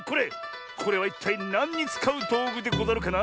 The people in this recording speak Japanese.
これはいったいなんにつかうどうぐでござるかな？